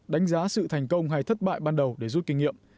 đánh giá sự thành công hay thất bại ban đầu để rút kinh nghiệm